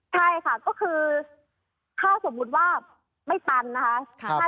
ใช่ค่ะก็คือถ้าสมมุติว่าไม่ตันนะคะ